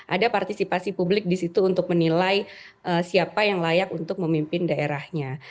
ada partisipasi publik disitu untuk menilai siapa yang layak untuk memimpin daerahnya